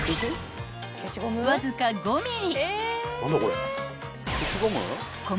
［わずか５ｍｍ］